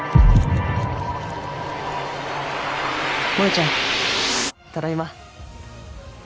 萌ちゃんただいま。